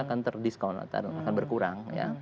akan terdiskon akan berkurang